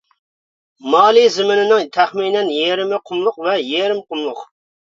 مالى زېمىنىنىڭ تەخمىنەن يېرىمى قۇملۇق ۋە يېرىم قۇملۇق.